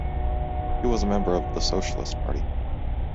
He was a member of the Socialist Party.